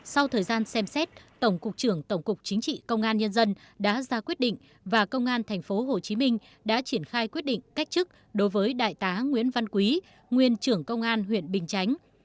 sau thời gian xem xét tổng cục trưởng tổng cục chính trị công an nhân dân đã ra quyết định và công an tp hcm đã triển khai quyết định cách chức đối với đại tá nguyễn văn quý nguyên trưởng công an huyện bình chánh